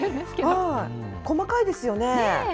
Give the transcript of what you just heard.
細かいですよね。